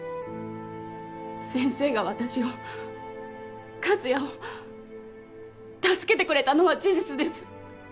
先生が私を克哉を助けてくれたのは事実です。